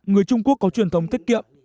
người trung quốc có truyền thống tiết kiệm